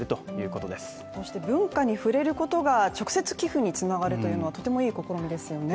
こうして文化に触れることが、直接寄付につながるということはとてもいい試みですよね。